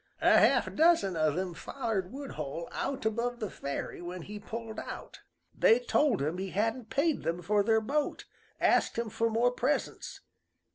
A half dozen o' them follered Woodhull out above the ferry when he pulled out. They told him he hadn't paid them for their boat, asked him for more presents.